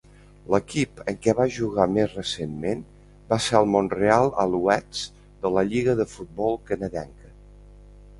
L'equip en què va jugar més recentment va ser el Montreal Alouettes de la Lliga de futbol canadenca.